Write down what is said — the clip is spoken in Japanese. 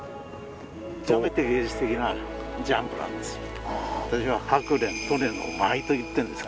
極めて芸術的なジャンプなんですよ。